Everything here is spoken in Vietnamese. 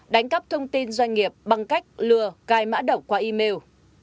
bảy đánh cắp thông tin doanh nghiệp bằng cách lừa cai mã đọc qua email